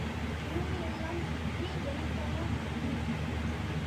ஊர் எல்லாம் சுற்றி எனக்கென்ன புத்தி?